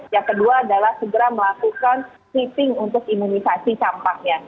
yang kedua adalah segera melakukan sweeping untuk imunisasi campaknya